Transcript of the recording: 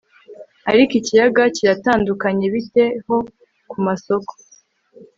Ariko ikiyaga kiratandukanye Bite ho ku masoko